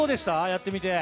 やってみて。